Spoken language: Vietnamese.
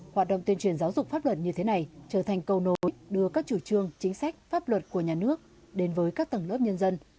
hoạt động tuyên truyền giáo dục pháp luật như thế này trở thành cầu nối đưa các chủ trương chính sách pháp luật của nhà nước đến với các tầng lớp nhân dân